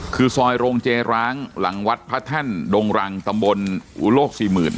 คือซอยโรงเจร้างหลังวัดพระแท่นดงรังตำบลอุโลก๔๐๐๐